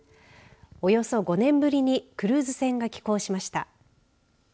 およそ５年ぶりにクルーズ船が寄港しました。